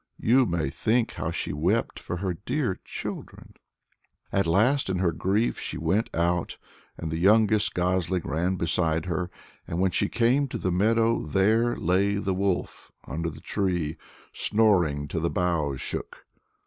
You may think how she wept for her dear children. At last, in her grief, she went out, and the youngest gosling ran beside her. And when she came to the meadow there lay the wolf under the tree, snoring till the boughs shook.